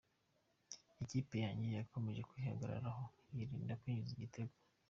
Ikipe yanjye yakomeje kwihagararaho yirinda kwinjizwa igitego.